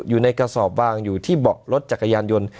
อยู่ในกระสอบวางอยู่ที่เบาะรถจักรยานยนต์